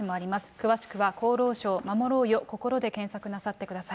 詳しくは厚労省守ろうよ心でで検索なさってください。